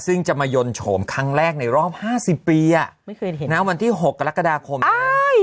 ซึ่งจะมายนโฉมครั้งแรกในรอบห้าสิบปีอ่ะไม่เคยเห็นนะวันที่หกกรกฎาคมนี้อ้าย